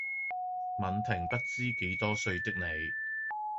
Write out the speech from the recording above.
吻停不知幾多歲的你